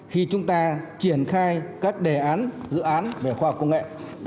khi chúng ta triển khai các đề án dự án về khoa học công nghệ